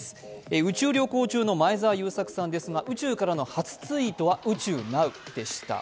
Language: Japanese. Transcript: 宇宙旅行中の前澤友作さんですが、宇宙からの初ツイートは「宇宙なう」でした。